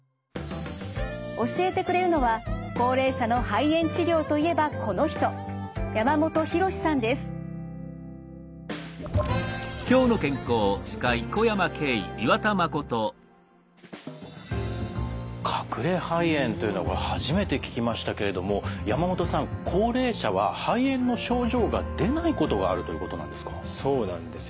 教えてくれるのは高齢者の肺炎治療といえばこの人隠れ肺炎というのは初めて聞きましたけれども山本さん高齢者は肺炎の症状が出ないことがあるということなんですか？